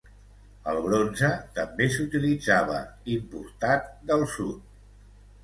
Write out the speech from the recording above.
El bronze també s'utilitzava, importat del sud.